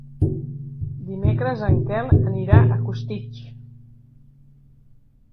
Dimecres en Quel anirà a Costitx.